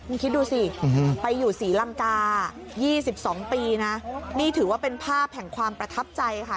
คุณคิดดูสิไปอยู่ศรีลังกา๒๒ปีนะนี่ถือว่าเป็นภาพแห่งความประทับใจค่ะ